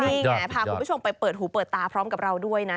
นี่ไงพาคุณผู้ชมไปเปิดหูเปิดตาพร้อมกับเราด้วยนะ